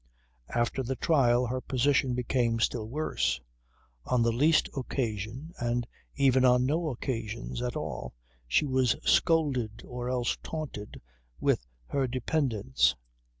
After the trial her position became still worse. On the least occasion and even on no occasions at all she was scolded, or else taunted with her dependence.